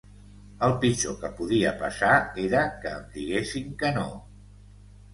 El pitjor que podia passar era que em diguessin que no.